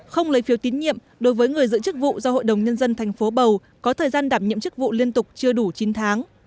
không lấy phiếu tín nhiệm đối với người giữ chức vụ do hội đồng nhân dân tp bầu có thời gian đảm nhiệm chức vụ liên tục chưa đủ chín tháng